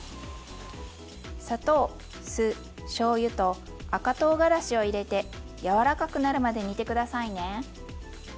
砂糖酢しょうゆと赤とうがらしを入れて柔らかくなるまで煮て下さいね。